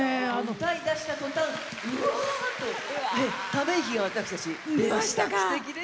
歌い出したとたんうわーっとため息が私たち出ました。